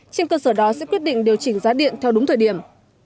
trên cơ sở đó sẽ quyết định điều chỉnh giá điện theo đúng thời điểm